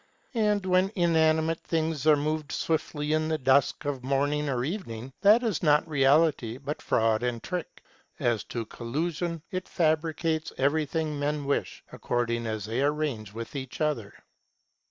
And when inanimate things are moved swiftly in the dusk, of morning or evening, that is not reality, but fraud and trick. As to collusion, it fabricates everything men wish, according as they arrange with each other.